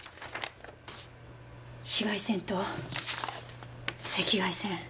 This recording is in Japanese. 紫外線と赤外線。